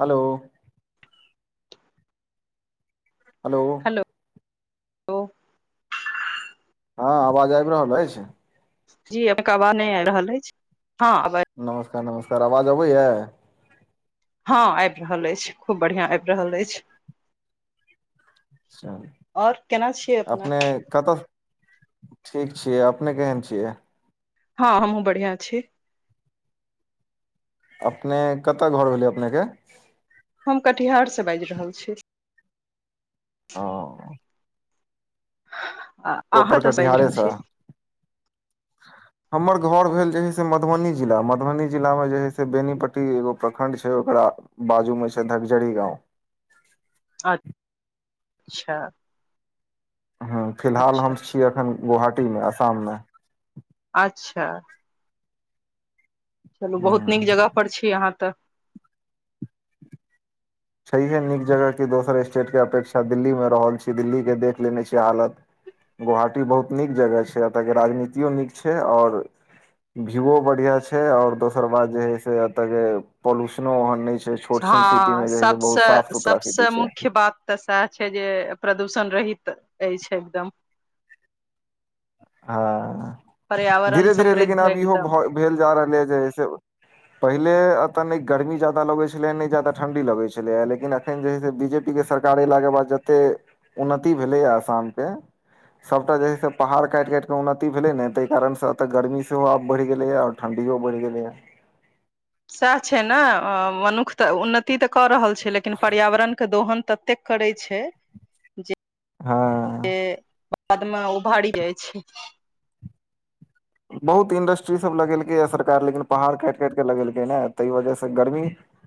हलो hello hello हँ आवाज आबि रहल अछि जी आंके आवाज नै आबि रहल अछि हं आब आबि नमस्कार नमस्कार आवाज अबैया हँ आबि रहल अछि खूब बढ़िआँ आबि रहल अछि अच्छा आओर केना छियै अपने कतह ठीक छियै अपने केहेन छियै हँ हमहुं बढ़िआँ छी अपने कतऽ घर भेलै अपनेके हम कटिहार सऽ बाजि रहल छी ओ अहाँ प्रॉपर तऽ साजि रहल कटिहारेसँ छी हमर घर भेल जे है से मधुबनी जिला मधुबनी जिला मे जे है से बेनीपट्टी एगो प्रखंड छै ओकरा बाजूमे छै धगजरी गाँव अच्छाऽ हू फिलहाल हम छी अच्छा अखन गोहाटीमे आसाममे अच्छा चलू बहुत नीक हँ, जगह पर छी अहाँ तऽ छैहे नीक जगह कि दोसर स्टेटके अपेक्षा दिल्लीमे रहल छी दिल्लीके देख लेने छीियै हालत गुवाहाटी बहुत नीक जगह छै एतयके राजनीतियो नीक छै आओर व्यूो बढ़िया छै और दोसर बात जे हे से एते के पोल्यूशनो ओहन नैय छै छोट छन सिटी हँ मे जे बहुत साफ सबसँ सुथरा सिटी सबसँ छै मुख्य बात तऽ सएह छै जे प्रदूषण रहित अछि एकदम हँ पर्यावरण धीरे धीरे लेकिन समृद्ध आब इहो एकदम भेल जा रहले हऽ जे है से पहिले एतऽ नहि गर्मी ज्यादा लगैत छलै नहि जा्यादा ठण्डी लगैत छलै हा लेकिन अखन जे है से बी जे पी के सरकार अयलाके बाद जते उन्नति भेलैए आसामके सबटा जेै है पहाड़ काटि काटिक के उन्नति भेले ने ताहि कारण से एतऽ गर्मी सेहो आब बढ़ि गेलैेए औ ठंडीो बढ़ि गेलया सएह छै ने मनुख तऽ उन्नति तऽ कऽ रहल छै लेकिन पर्यावरणके दोहन ततेक करै छै जे हँ से बादमे उभारी जाइ छै बहुत इंडस्ट्रीसभ लगेलकैए सरकार लेकिन पहाड़ काटि काटि कऽ लगेलकै नै ताहि वजहसँ गर्मी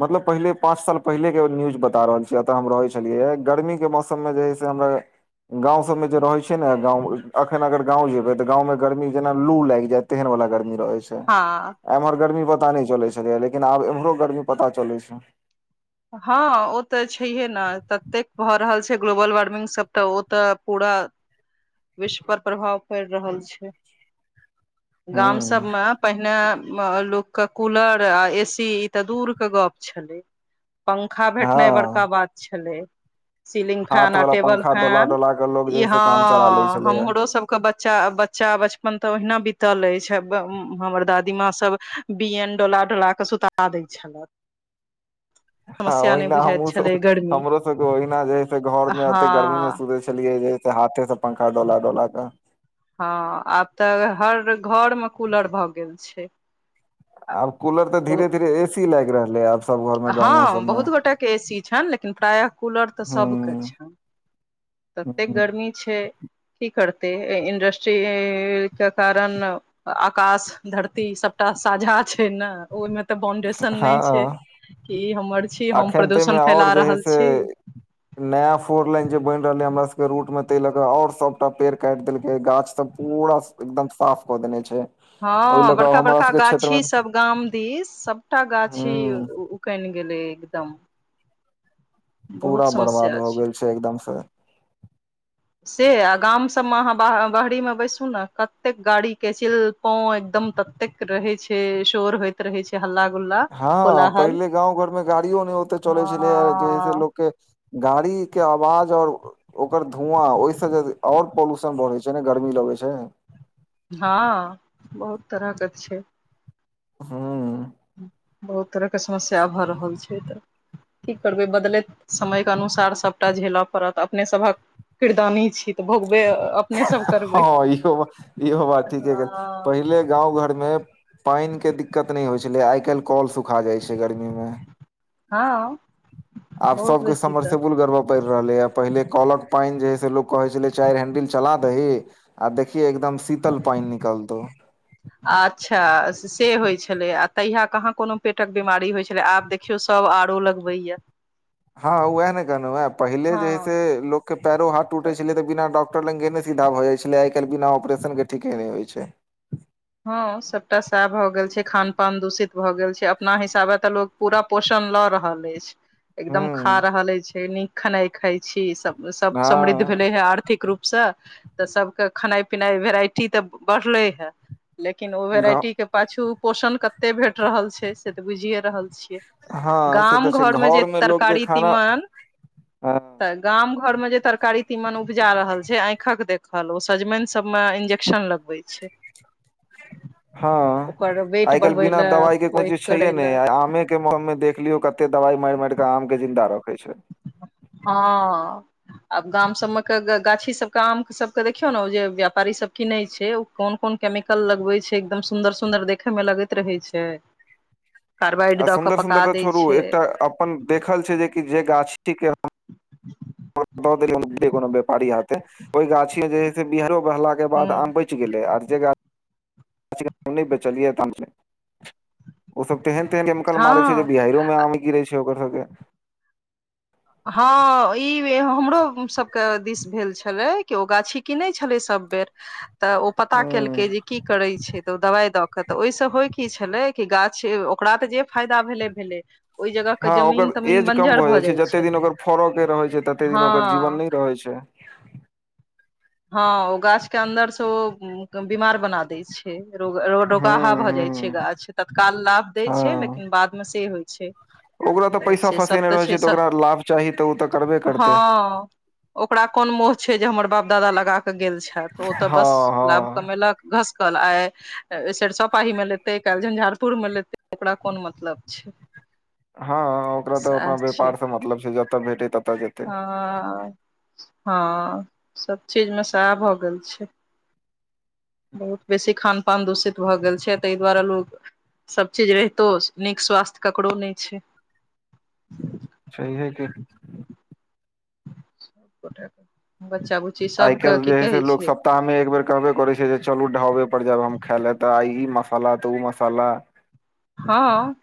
मतलब पहिले पाँच साल पहिलेकेो न्यूज बता रहल छियै एतऽ हम रहै छलियै गर्मीके मौसममे जे है से हमरा गाँं सबमे जे रहे छै ने गाँंव अखन अगर गाँं जेबै तऽ गाँव मे गर्मी जेना लू लाग जायत तेहन वला गर्मी रहै छै हँ एम्हर गर्मी पता नहि चलै छलैय लेकिन आब एम्रो गर्मी पता चलै छै हँ ओ तऽ छैहे नऽ ततेक भऽ रहल छै ग्लोबल वार्मिंगसभ तऽ ओ तऽ पूरा विश्व पर प्रभाव पड़ि रहल छै गाम हूँ सभमे पहिने लोक कऽ के कूलर आ ए सी ई तऽ दूर के गप छले पंखा भेटनाइ बड़का हँ बात छलै सीलिंग हाथ फैन वाला आ टेबल पंखा डोला फैन डोला के लोग जे इ है से काम चला लै हाँ छलैया हमरो सब के बच्चा बच्चा बचपन तऽ ओहिना बितल अछि हमर दादीमााँ सब बिअन डोला डोला कऽ सुता दै छलथि हँ ओहिना बुझाइत हमहुँ छलै सब गर्मी हमरो सबके ओहिना जे ह से घर मे एते गर्मी मे हँ सुते छलियै जे हाथे सऽ पंखा डला डोला कऽ हँ आब तऽ हर घर मे कूलर भऽ गेल छै आब कूलर तऽ धीरे धीरे ए सी लागि रहलै आब सब घर मे गाँवो हँ सबमे बहुत गोटे के ए सी छनि लेकिन प्रायः कूलर तऽ हूँ सबके छनि ततेक हूँ गर्मी छै की करतै इंडस्ट्रीक के कारण आकाश धरती सबटा साझा छै ने ओहिमे तऽ बाउंडेशन नहि छै हँ कि ई हमर छी हम अखन ताहिमे प्रदूषण फैला आओर जे है रहल से छी नया फोर लाइन जे बनि रहल हे हमरा सबके रूट मे ताहि लऽ कऽ आऔर सबटा पेड़ काटि देलकै गाछ सब पूरा एकदम साफ कऽ देने छै ओहि हँ लऽ कऽ बड़का हमरा बड़का सबके क्षेत्र मे गाछी सब गाम दिस सबटा गाछी हूँ कनि गेलै एकदम बहुत पूरा बर्बाद समस्या हो गेल छै एकदम से से आ गाम सब मे आहाँ बाह- बाहरे मे बैसू नऽ कतेक गाड़ी के चिल पो एकदम तत्तेक रहै छै शोर होत हँ पहिले गाँव घरमे गाड़ियो नहि ओते चलै छलै जे सेे हँ लोकके गाड़ी के आवाज और ओकर धुआँ ओहिसँ आओर पॉल्यूशन बढ़ैत छै ने गर्मी लगै छै हँ बहुत तरह कऽ छैय हूँ बहुत तरहके समस्या भऽ रहल छै तऽ की करबै बदलैत समय कऽ अनुसार सबटा झेलय पड़त अपने सबहक किरदानी छी सब करबै हँ इहो बात इहो बात ठीके हँ पहिले गाँव घर मे पैन के दिक्कत नैय होय छेलै आय कैल्ह कलऽ सुखा जाय छै गर्मी मे हँ आब बहुत सबके बेसी तऽ समरसेबुल गरब पैड़ रहलै ये पहिले कलक पैन जे है से लोक कहै छेलै चैर हेंडिल चला दही आ देखही एकदम शीतल पैन निकलतौ [unintelligible] अच्छा से होय छेलै आ तहिया कहाँ कोनो पेटक बीमारी होय छेलै आब देख देखियौ सब आरो लगबैया हँ उएह ने कहलौ या पहिले जे है से हँ लोक के पैरो हाथ टुटै छेलै तऽ बिना डॉक्टर लग गेने सीधा भऽ जाय छेलै आय कैल बिना ऑपरेशन के ठीके नैय होय छै हँ सबटा सएह भए गेल छै खान पान दूषित भऽ गेल छै अपना हिसाबे तऽ लोग पूरा पोषण लऽ रहल ऐछ हूँ एकदम खा रहल ऐछ नीक खेनाय खााय छी सब सब समृद्ध हँ भेले हे आर्थिक रूप से तऽ सबके खेनाय- पिनाय वेराइटी तऽ बढ़लेै हे लेकिन ओ गाँव वेराइटी के पाछू पोषण कते भेट रहल छै से तऽ बुझिये रहल छै छिए हँ से गाम तऽ छै घर मे जे घरमे लोक जे तरकारी खाना तीमन हँ तऽ गाम घर में जे तरकारी तीमन उपजा रहल छै अैखक देखल ओ सजमैन सब मऽ इंजेक्शन लग हो छैय हँ ओकर वेट आय कैल बढ़बै बिना लए दवाई के कोनो पैघ चीज छैेहे करै नेैय लए आमे के के मोह मे देख लियो कते दवाय मैर- मैर केे आम के जिन्दा रखेै छैय हँ आब गाम सब मे के गाछी सबके आम सबके देखियौ नऽ ओ जे व्यापारी सब किनै छैय कोन -कोन केमिकल लगबै छै एकदम सुन्दर- सुन्दर देखे मे लगैत रहै छै कार्बाइड आ दऽ कऽ सुन्दर- पका सुन्दर तऽ दै छोड़ू छै एकटा अपन देखल छै जेकी जे गाछ ठीक ह द देलिय कोनो व्यापारी हाथे ओय गाछी मे जे हे से बिहैरो बहला के बाद हूँ आम बैच गेलेै आर जे गाछ नै बेचलियै तऽ आम से ओ सब तेहन -तेहन केमिकल मारै हँ छै जे बिहैरे मे आम नै गिरे छै ओकर सबके हँ ई हमरो सबके दिस भेल छेलै कि ओ गाछी किनै छेलै सब बेर तऽ ओ पता केलकै के जे की करै छै तऽ ओ दवाइ दय के तऽ ओय सँ होय की छेलै कि गाछ ओकरा तऽ जे फायदा भेले -भेले ओय जगह के हँ जमीन ओकर तमीन एज कम बंजर भऽ जाइ छै जाय जते छैय दिन ओकर फड़य के रहे छै तते दिन ओकर जीवन नै रहेै छै हँ ओ गाछ के अन्दर से ओ बीमार बना दै छै हँ रोगाहा भऽ जाय छै गाछ तत्काल लाभ दै छै लेकिन बाद मऽ से होय छैय ओकरा तऽ पैसा फँसेने रहैय छै तऽ ओकरा लाभ चाही तऽ ओ तऽ करबे करतै हँ ओकरा कोन मोह छै जे हमर बाप दादा लगा कऽ गेल छेऽल ओ तऽ बस हँ लाभ हँ कमेलक घसकल आय सरिसव पाहीमे लेतै काल्हि झंझारपुरमे लेतै ओकरा कोन मतलब छै हँ ओकरा तऽ अपना सएह छै व्यापारसँ मतलब छै जतय भेटै ततय जेतै हँ हँ सब चीज मे सएह भऽ गेल छै बहुत बेसी खान पान दूषित भऽ गेल छै तैय दुआरे लोग सब चीज रहितो नीक स्वास्थ्य ककरो नैय छैय छैहे कि गोटे बच्चा -बुच्ची सब के की कहै छै तामे एक बेेर कहबे करैत छै जे चलू ढहाबे पर जायब हम खाइ लए तऽ आइ ई मसाला तऽ ओ मसाला हँ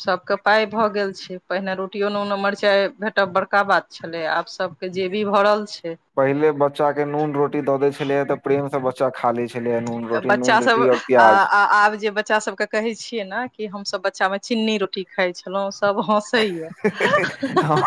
सभके पाइ भऽ गेल छै पहिने रोटिोने ओने मिरचाइ भेटब बड़का बात छलै आब सभ के जे भी भरल छै पहिल बच्चा के नून रोटी दऽ देेल छले हे तऽ प्रेम से बच चा खा लै छलै हैय बच्चा सब अ आब जे बच्चा सबके कहे छीिये नऽ कि हम सब बच्चा मे चिन्नी रोटी खाइ छलहुँ सभ हँसैए हम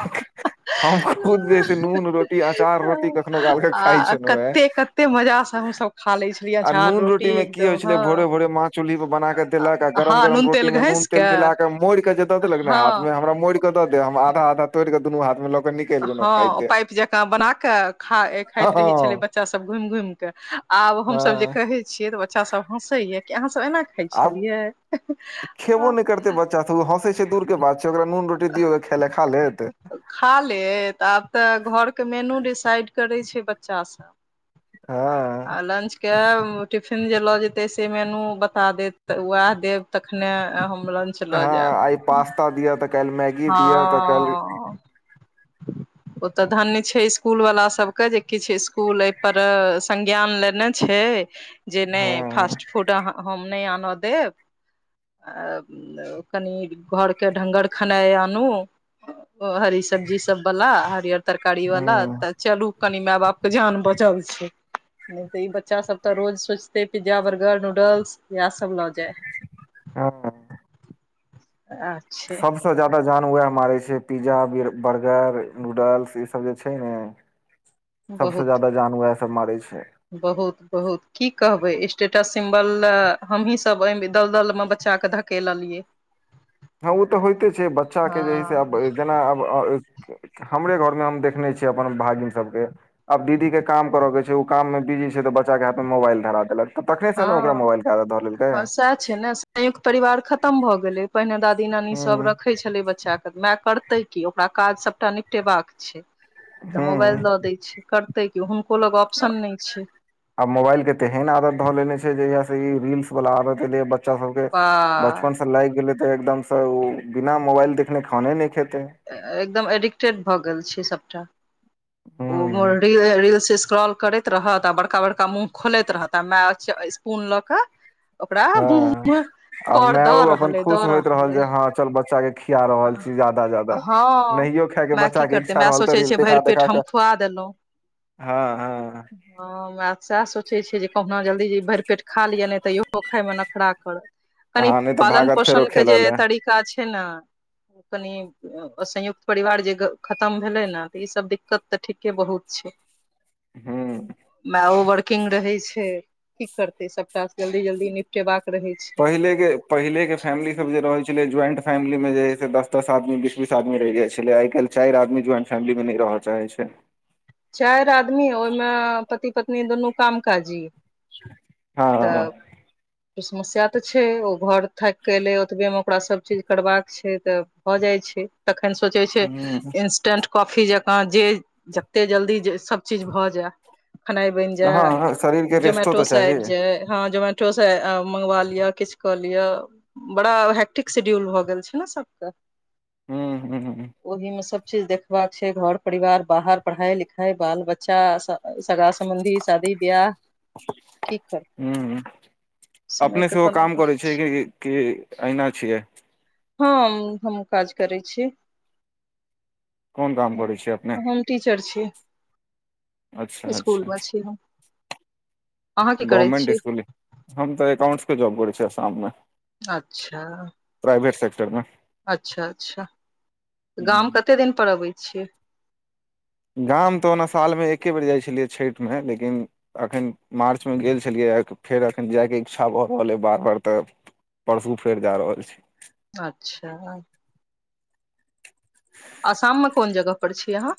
हम खुद बेसी नून रोटी अचार रोटी कखनो कालके खााय छलहु हे से कते मजा से हम सब खा ले आ नून रोटी मे की होइ छलै भोरे भोरे माछ चूल्हिी पर बना के देलक आ गरम हँ गरम नून रोटी तेल मे नून घैस तेल मिला कऽ केे मोड़ के जे देलक ने हाथ हँ मे हमरा मोड़ के द दे हम आधा आधा तोड़िक के दुनू हाथ मे लऽ के निक हँ पाइप जकाँ बना कऽ खा हँ खाइत रहै छलै बच्चा सभ घुमि घुमि कऽ आब हमसभ जे हँ कहे छियै तऽ बच्चा सब हँसे या कि अहाँ सब एना खाइ आब छलियै आ ओ हँसै छै दूर के बात छै ओकरा नून रोटी दौ ख खा लेत खा लेत आब तऽ घरके मेनू डिसाइड करै छै बच्चा सब हँ आ लंच के टिफिन जे लऽ जेते से मेनू बता देत वएह देब तखने हम लंच लऽ हँ आइ जायब पास्ता दिया तऽ काइल मैगी दिअ तऽ काल्हि हँ ओ तऽ धन्य छै स्कूल वाला सब के जे किछु स्कूल एहि पर संज्ञान लेने छै जे नहि हँ फास्ट फूड हम नहि आनय देव अ कनि घर के ढंगर खेनाइ आनू हरी सब्जी सब वाला हरियर तरकारी वाला हँ चलू कनि माय बाप कऽ जान बचल छै नहि तऽ ई बच्चा सब तऽ रोज सोचते पिज्जा बर्गर नूडल्स इएह सब लऽ जाय [inaudible] हँ आ छै सब सबसँ जदाा जान वएह मारै छै पिज्जा बर्गर नूडल्स ई सब जे छै ने [inaudible] सबसँ बहुत ज्यादा जान वोइह सब मारै छै बहुत बहुत की कहबे स्टेटस सिम्बल हमहीं सब एहि दलदल मे बच्चा के धक केल लियए हँ ओ तऽ होइते छै बच्चाके जे हइ से आब जेना आब हमरे घरमे हम देखने छियै अपन भागिन सबके अब दीदी के काम करे के छै उ काम मे बिजी छै तऽ बच्चा के हाथ मे मोबाइल धरा देलक तऽ तखनेसँ ने ओकरा मोबाइलके आदाा दऽ लेलकै सेह छै नऽ संयुक्त परिवार खतम भऽ गेलै पहिने दादी नानी सब हूँ रखैत छलै बच्चाके माय करतै कि ओकरा काज सबटा निपटेबाक छैय तऽ मोबाइल हूँ दऽ दय छैय क तै कि हुनको लग ऑप्शन नहि छैय। आब मोबाइल के तेहन आदत धऽ ले छैय जहिया से ई रील्स वला आदत एले बच्चा सबके बचपन वाह से लागि गेलै तऽ एकदमसँ ओ बिना मोबाइल देखने खाने नहि खेते एकदम एडिक्टेड भऽ गेल छै सभटा ओ हूँ रील स्क्रॉल करैत रहत आ बड़का बड़का मुूँह खोलैत रहत आ मैाच स्पून लऽ के हँ आ कर माय दऽ ओ अपन रहल अइ खुश दऽ होइत रहल जे अइ हँ चल बच्चा के खििया रहल छीय ज्यादा ज्यादा हँ नहियो खायके माय की बच्चा के करतै इच्छा माय रहल तऽ सोचै रील्स छै देखा भरि पेट देखा हम के खुआ देलो हँ हँ हाँ सएह सोचैत छियै जे कहुना जल्दी जे भरि पेट खा लिअ नहि तऽ इहो खाायमे नखरा करत कनी हँ नहि तऽ पालन भागत फेरो पोषण के खेलऽ जे ले तरीका छैय नहि कनी संयुक्त परिवार जे खतम भेलै ने तऽ ई सब दिक्कत तऽ ठीके बहुत छैय। हूँ मैओ बढ़ कुकिंग रहे छैय की करते सबटा जल्दी जल्दी निपटेबाक रहे छैय। पहिले पहिले के फैमिली सब जे रह छलै ज्वाइंट फैमिली मे जे से दस दस आदमी बीस बीस आदमी रेह जाइ छलै आ काल्हि चारि आदी ज्वाइंट फैमी मे नहि रहय चाहैत छैय। चारि आदमी ओहिमे पति पत्नी दुनू काम काजी हँ तऽ समस्या तऽ छैय ओ घर थाकि कऽ एलै ओतबेमे ओकरा सभचीज करबाक छैय तऽ भऽ जाइ छैय। तखन सोचै छैय ह इंस्टेंट कॉफी जकाँ जे जते जल्दी सब चीज भऽ जाय खेनाइ बनि जाय हँ शरीर के रेस्टो जोमटो तऽ सऽ चाही आबि जाय हाँ जो जोमटो से मंगवा लिया किछु कऽ लिय बड़ा हैक्टिक शेड्यूल भऽ गेल छैय नही सबकऽ हुँ हुँ। ओहि मऽ सब चीज देखबाका छैय घर परिवार बाहर पढ़ाई लिखाई बाल बच्चा स सगा समबंधी शादी ब्याह हुँ समय अपने के सेहो कमी काम करै छैय कि कि एहना छियै। हाँ हम काज करै छीय। कोन काम करै छियै अपने हम टीचर छीय अच्छा स्कुल अच्छा मऽ छीय हम अहाँ की करै गवर्मेंट छी स्कुल हम तऽ एकाउंट्सके जॉब करै छीियै आसाममे अच्छा। प्राइवेट सेक्टर मे अच्छा अच्छा गाम कते दिन पर अबै छियै। गाम तऽ ओना सालमे एके बेर जाइ छलियै छठिमे लेकिन एखन मार्चमे गेल छलियै फेर एखन जायके इच्छा भऽ रहलै बार बार तऽ परसू फेर जा रहल छीय अच्छा। आसाममे कोन जगह पर छी अहाँ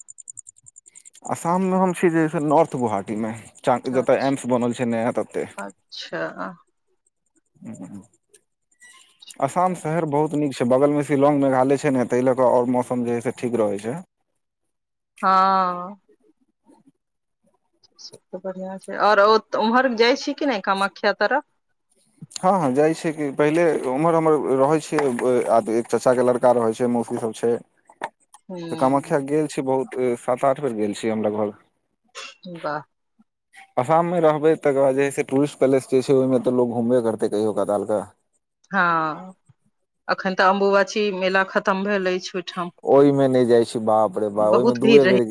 आसाममे हम छीय जे नारर्थ गोहाटीमे च जतै अच्छा एमस बनल छैय नया तते अच्छा आसाम शहर बहुत नीक छैय बगलमे शिलाङंगग मेघालय छैय नऽ ताहि लऽ कऽ आओर मौसम जे है से ठीक रहै छैय हाँ। से तऽ बढ़िआं छैय आओर उम्हर जाइ छीय किी नहि कामाख्या तरफ हँ हँ जाइ छियै कि पहिले ओम्हर ओमहर रहै छियै आ एक चाचाके लड़का रहै छै मौसी सब छै [inaudible] तऽ कामाख्या हूँ गेल छी बहुत बेर सात आठ बेर गेल छी हम लगभग वाह आसाम मे रहबे तकर बाद जे टूरिस्ट पलेस जे छैय ओहि मे तऽ लोग घुमबे करते कहियो कताल कऽ हाँ अखन तऽ अम्बुवाची मेला खतम भेल अछि। ओहिठाम ओहिमे नहि जाइ छीय बाप रे बाप ओहिमें बहुत भीड़ दूए रहै बेर